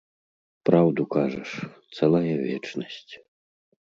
Праўду кажаш, цэлая вечнасць.